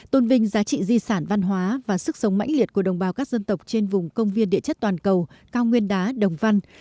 tôn vinh giá trị di sản văn hóa và sức sống mãnh liệt của đồng bào các dân tộc trên vùng công viên địa chất toàn cầu cao nguyên đá đồng văn